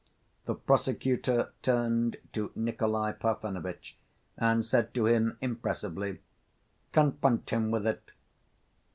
The prosecutor turned to Nikolay Parfenovitch and said to him impressively: "Confront him with it."